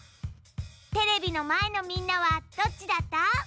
テレビのまえのみんなはどっちだった？